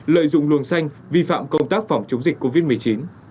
lợi dụng luồng xanh vi phạm công tác phòng chống dịch covid một mươi chín